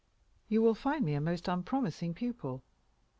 "You will find me a most unpromising pupil."